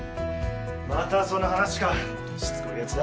またその話かしつこいヤツだ！